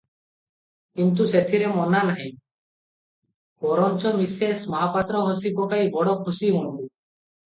କିନ୍ତୁ ସେଥିରେ ମନା ନାହିଁ, ବରଞ୍ଚ ମିସେସ୍ ମହାପାତ୍ର ହସି ପକାଇ ବଡ଼ ଖୁସି ହୁଅନ୍ତି |